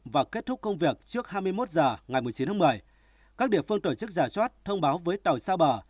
và kết thúc công việc trước hai mươi một h ngày một mươi chín một mươi các địa phương tổ chức giả soát thông báo với tàu xa bờ